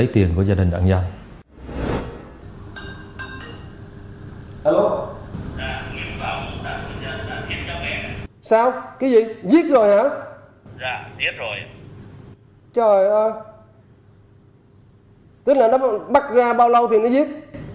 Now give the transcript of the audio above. tức là nó bắt ra bao lâu thì nó giết